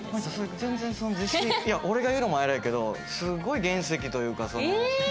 全然自信俺が言うのもあれやけどすごい原石というか貴重な。